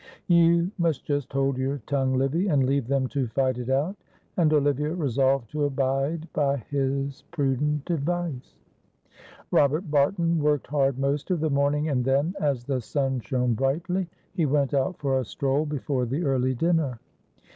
You must just hold your tongue, Livy, and leave them to fight it out." And Olivia resolved to abide by this prudent advice. Robert Barton worked hard most of the morning, and then, as the sun shone brightly, he went out for a stroll before the early dinner.